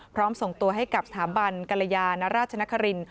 ส่งตัวให้กับสถาบันกรยานราชนคริน